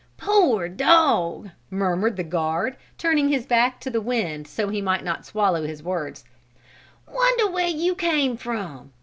"Poor dog!" murmured the guard, turning his back to the wind so he might not swallow his words. "Wonder where you came from?